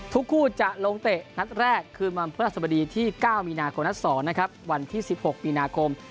คู่จะลงเตะนัดแรกคืนวันพฤหัสบดีที่๙มีนาคมนัด๒นะครับวันที่๑๖มีนาคม